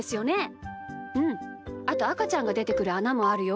あとあかちゃんがでてくるあなもあるよ。